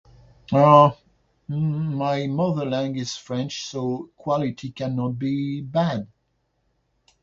uh! mmm, my mother lang is French so quality cannot be bad